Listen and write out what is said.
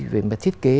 về mặt thiết kế